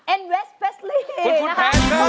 เอ็นเวสเพสลี่นะฮะ